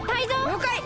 りょうかい！